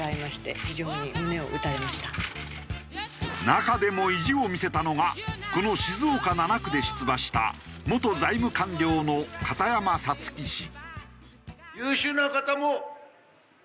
中でも意地を見せたのがこの静岡７区で出馬した元財務官僚の片山さつき氏。